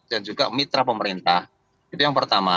dan juga mitra pemerintah itu yang pertama